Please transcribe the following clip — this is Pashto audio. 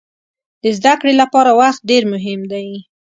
د زده کړې لپاره وخت ډېر مهم دی.